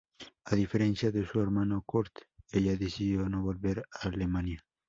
A diferencia de su hermano Curt, ella decidió no volver a Alemania.